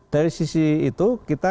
dari sisi itu kita